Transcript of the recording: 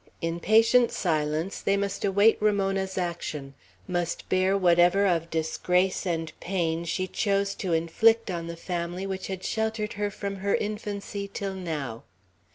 In patient silence they must await Ramona's action; must bear whatever of disgrace and pain she chose to inflict on the family which had sheltered her from her infancy till now.